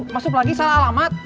masuk lagi salah alamat